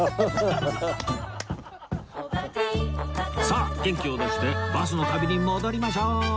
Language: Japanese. さあ元気を出してバスの旅に戻りましょう